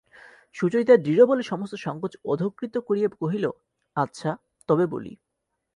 সুচরিতা দৃঢ়বলে সমস্ত সংকোচ অধঃকৃত করিয়া কহিল, আচ্ছা, তবে বলি।